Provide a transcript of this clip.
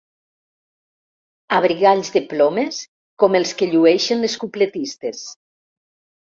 Abrigalls de plomes com els que llueixen les cupletistes.